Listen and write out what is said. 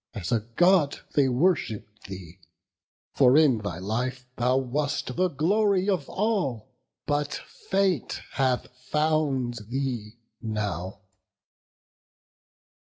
as a God They worshipp'd thee: for in thy life thou wast The glory of all; but fate hath found thee now."